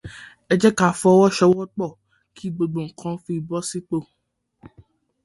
Ẹ jẹ́ ká fọwọsowọ́pọ̀ kí gbogbo nǹkan fi bọ́ sípò.